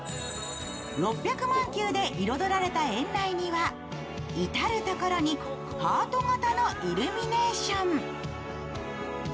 ６００万球で彩られた園内には至る所にハート形のイルミネーション。